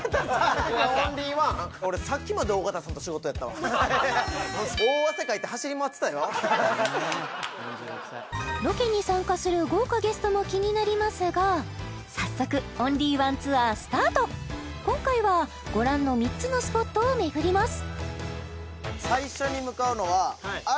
オンリーワン俺ロケに参加する豪華ゲストも気になりますが早速オンリーワンツアースタート今回はご覧の３つのスポットを巡ります